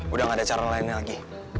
udah gak ada cara lainnya lagi